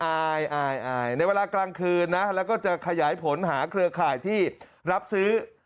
ในเวลากลางคืนนะแล้วก็จะขยายผลหาเครือข่ายที่รับซื้อ